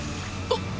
あっ！